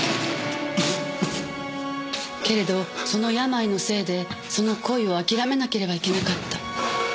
けれどその病のせいでその恋を諦めなければいけなかった。